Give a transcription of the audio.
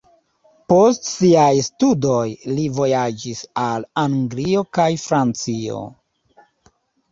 Post siaj studoj, li vojaĝis al Anglio kaj Francio.